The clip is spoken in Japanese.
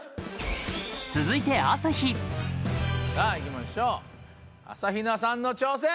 続いてさぁいきましょう朝日奈さんの挑戦。